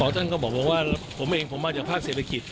ท่านก็บอกว่าผมเองผมมาจากภาคเศรษฐกิจ